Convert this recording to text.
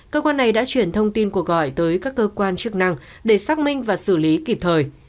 cơ quan này đã chuyển thông tin của gọi tới các cơ quan chức năng để xác minh và xử lý kịp thời